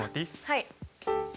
はい。